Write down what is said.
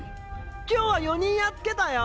今日は４人やっつけたよ。